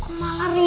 kok malah request